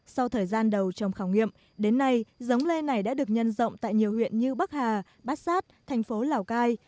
sau thời gian đầu trồng khảo nghiệm đến nay giống lê này đã được nhân rộng tại nhiều huyện như bắc hà bát sát thành phố lào cai